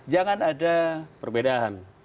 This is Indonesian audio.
jangan ada perbedaan